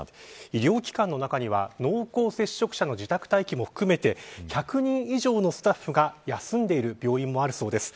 医療機関の中には濃厚接触者の自宅待機も含めて１００人以上のスタッフが休んでいる病院もあるそうです。